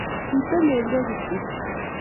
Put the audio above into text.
Kitelelyo kityo